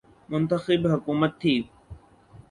منتخب حکومت تھی۔